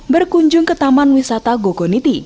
berkunjung ke taman wisata gogoniti